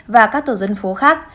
và các tổ dân phố khác